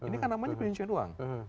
ini kan namanya penyusuan uang